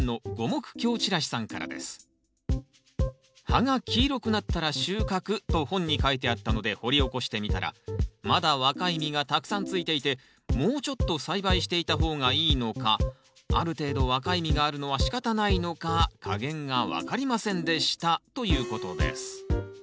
「葉が黄色くなったら収穫と本に書いてあったので掘り起こしてみたらまだ若い実がたくさんついていてもうちょっと栽培していた方がいいのかある程度若い実があるのはしかたないのか加減が分かりませんでした」ということです